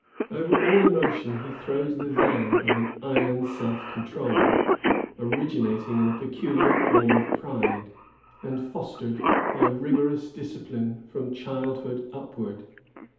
Over all emotion he throws the veil of an iron self control, originating in a peculiar form of pride, and fostered by rigorous discipline from childhood upward.